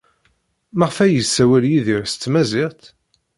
Maɣef ay yessawal Yidir s tmaziɣt?